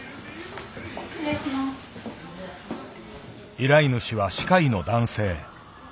依頼主は歯科医の男性。